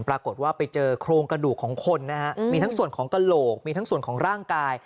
ปรากฏว่าไปเจอโครงกระดูกของคนนะฮะมีทั้งส่วนของกระโหลกมีทั้งส่วนของร่างกาย